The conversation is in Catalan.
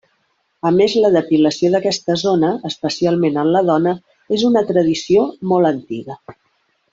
A més la depilació d’aquesta zona, especialment en la dona, és una tradició molt antiga.